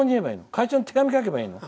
会長に手紙書けばいいの？